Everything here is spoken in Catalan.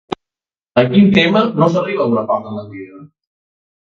Amb quin tema no s'arriba a un acord amb la Crida?